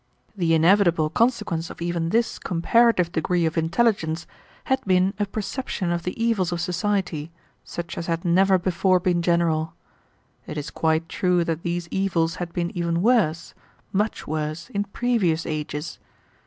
The inevitable consequence of even this comparative degree of intelligence had been a perception of the evils of society, such as had never before been general. It is quite true that these evils had been even worse, much worse, in previous ages.